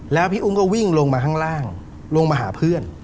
แล้วพี่อุ้งก็วิ่งลงมาข้างล่างลงมาหาเพื่อน